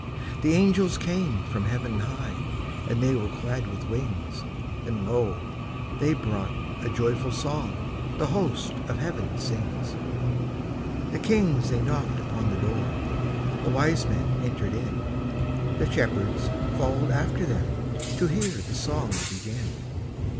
The angels came from heaven high, And they were clad with wings; And lo, they brought a joyful song The host of heaven sings. The kings they knocked upon the door, The wise men entered in, The shepherds followed after them To hear the song begin.